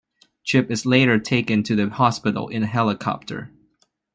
Chip is later taken to the hospital in a helicopter.